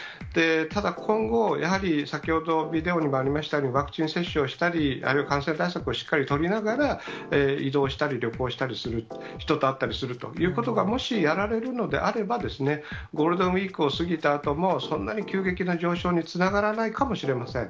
ただ、今後、やはり先ほど、ビデオにもありましたようにワクチン接種をしたり、あるいは感染対策をしっかり取りながら、移動したり、旅行したりする、人と会ったりするということがもしやられるのであれば、ゴールデンウィークを過ぎたあとも、そんなに急激な上昇につながらないかもしれません。